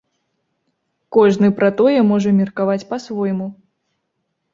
Кожны пра тое можа меркаваць па-свойму.